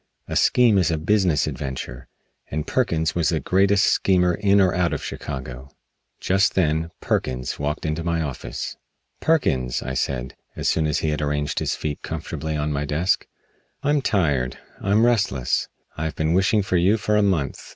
A scheme is a business adventure, and Perkins was the greatest schemer in or out of Chicago. Just then Perkins walked into my office. "Perkins," I said, as soon as he had arranged his feet comfortably on my desk, "I'm tired. I'm restless. I have been wishing for you for a month.